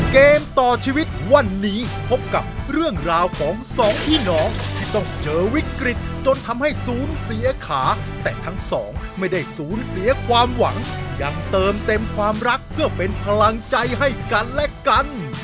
เกมต่อชีวิตวันนี้พบกับเรื่องราวของสองพี่น้องที่ต้องเจอวิกฤตจนทำให้ศูนย์เสียขาแต่ทั้งสองไม่ได้ศูนย์เสียความหวังยังเติมเต็มความรักเพื่อเป็นพลังใจให้กันและกัน